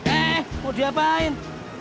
eh mau diapain